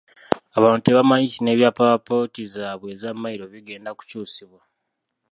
Abantu tebamanyi nti n'ebyapa bya ppoloti zaabwe eza mmayiro bigenda kukyusibwa.